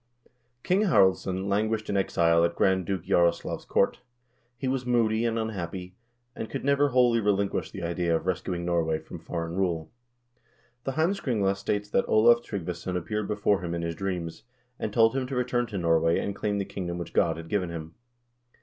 Olav Haraldsson languished in exile at Grand Duke Jaroslaf's court. He was moody and unhappy, and could never wholly re linquish the idea of rescuing Norway from foreign rule. The " Heims kringla" states that Olav Tryggvason appeared before him in his dreams, and told him to return to Norway and claim the kingdom which God had given him.